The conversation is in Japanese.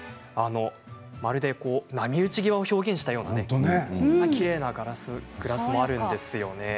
まるで波打ち際を表現したようなこんなきれいなグラスもあるんですよね。